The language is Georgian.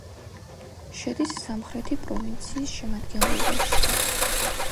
შედის სამხრეთი პროვინციის შემადგენლობაში.